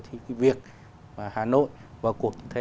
thì cái việc hà nội vào cuộc như thế